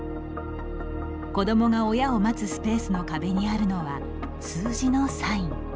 子どもが親を待つスペースの壁にあるのは数字のサイン。